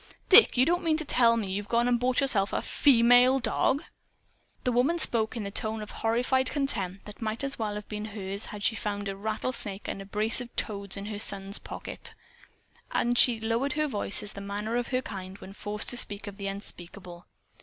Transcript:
Dick, you don't mean to tell me you've gone and bought yourself a a FEMALE dog?" The woman spoke in the tone of horrified contempt that might well have been hers had she found a rattlesnake and a brace of toads in her son's pocket. And she lowered her voice, as is the manner of her kind when forced to speak of the unspeakable.